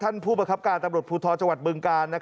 ผู้ประคับการตำรวจภูทรจังหวัดบึงกาล